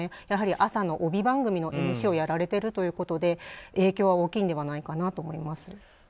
やはり朝の帯番組のＭＣをやられているということで影響は大きいのではないかと。